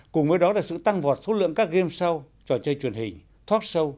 cùng với đó là sự tăng vọt số lượng các game show trò chơi truyền hình talk show